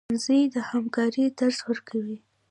ښوونځی د همکارۍ درس ورکوي